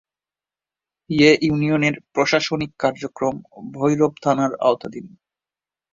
এ ইউনিয়নের প্রশাসনিক কার্যক্রম ভৈরব থানার আওতাধীন।